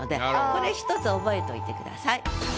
これ１つ覚えといてください。